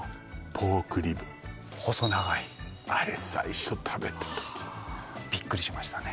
ポークリブ細長いあれ最初食べた時あビックリしましたね